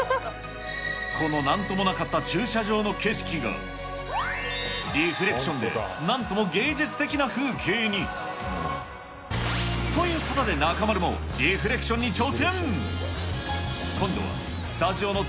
このなんともなかった駐車場の景色が、リフレクションでなんとも芸術的な風景に。ということで、中丸もリフレクションに挑戦。